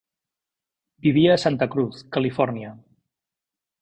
Vivia a Santa Cruz, Califòrnia.